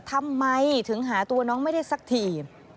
ทำไมถึงหาตัวน้องไม่ได้สักที